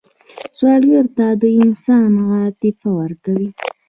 سوالګر ته د انسان عاطفه ورکوئ